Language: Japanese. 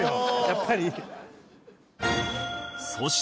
やっぱり。